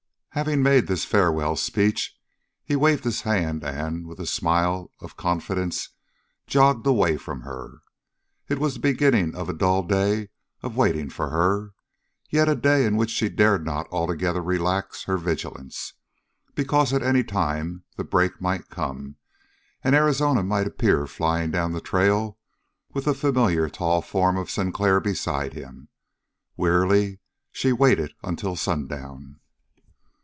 Having made this farewell speech, he waved his hand and, with a smile of confidence, jogged away from her. It was the beginning of a dull day of waiting for her, yet a day in which she dared not altogether relax her vigilance, because at any time the break might come, and Arizona might appear flying down the trail with the familiar tall form of Sinclair beside him. Wearily she waited until sundown.